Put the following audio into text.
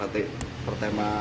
batik yang pertama